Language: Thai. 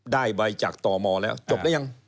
ได้ใบจากตมแล้วจบแล้วยัง